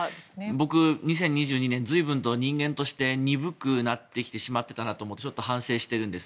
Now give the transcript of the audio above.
僕、２０２２年随分と人間として鈍くなってきてしまってたなと反省しているんです。